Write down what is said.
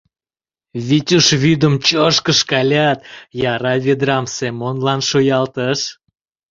Витюш вӱдым чож-ж кышкалят, яра ведрам Семонлан шуялтыш.